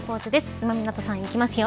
今湊さん、いきますよ。